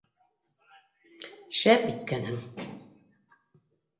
Шәп иткәнһең!